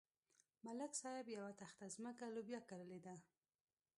ملک صاحب یوه تخته ځمکه لوبیا کرلې ده.